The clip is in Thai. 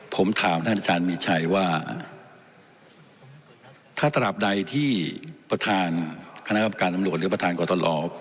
ผมถามท่านอาจารย์มีชัยว่าถ้าตราบใดที่ประธานคณะกรรมการตำรวจหรือประธานกรตล